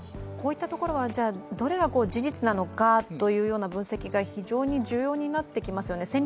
こういったところはどれが事実なのかというような分析が非常に重要になってきますよね。